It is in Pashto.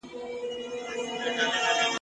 پر مخ د مځکي د جنتونو ..